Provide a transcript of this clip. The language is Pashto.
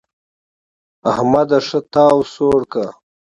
احمد ښه تاو سوړ کړ.